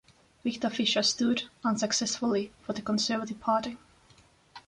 Victor Fisher stood, unsuccessfully, for the Conservative Party.